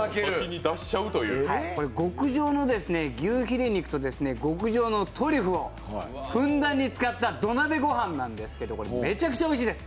これ、極上の牛ヒレ肉と極上のトリュフをふんだんに使った土鍋ご飯なんですけど、めちゃくちゃおいしいです。